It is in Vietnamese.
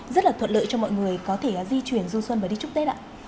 rất là thuận lợi cho mọi người có thể di chuyển du xuân và đi chúc tết ạ